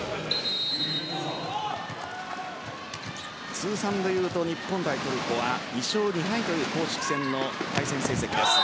通算でいうと日本対トルコは２勝２敗という公式戦の対戦成績です。